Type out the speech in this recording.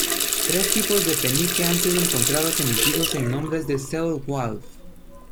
Tres tipos de penique han sido encontrados emitidos en nombre de Ceolwulf.